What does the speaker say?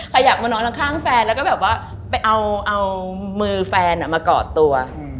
ใครอยากมานอนข้างแฟนแล้วก็ไปเอามือแฟนมากอดตัว